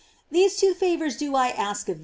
These two favors do I ask of .